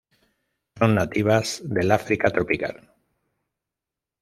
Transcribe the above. Son nativas del África tropical.